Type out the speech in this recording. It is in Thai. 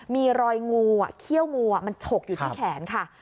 มีรอยงูเขี้ยวงูมันฉกอยู่ที่แขนค่ะ